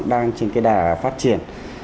đang trên cái đà phát triển